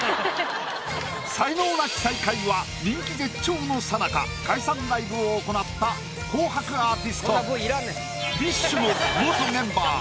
才能ナシ最下位は人気絶頂のさなか解散ライブを行った「紅白」アーティスト。